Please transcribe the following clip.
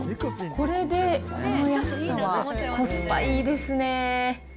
これでこの安さはコスパいいですね。